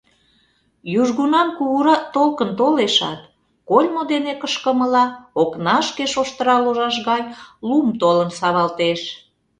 Южгунам кугурак толкын толешат, кольмо дене кышкымыла окнашке шоштыра ложаш гай лум толын савалтеш.